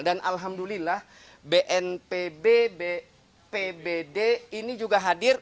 dan alhamdulillah bnpb pbd ini juga hadir